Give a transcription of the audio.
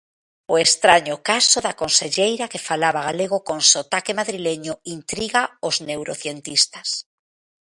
O estraño caso da conselleira que falaba galego con sotaque madrileño intriga os neurocientistas